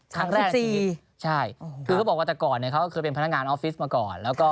ขั้นแรกใช่คือเขาบอกว่าแต่ก่อนเขาก็เคยเป็นพนักงานออฟฟิศมาก่อน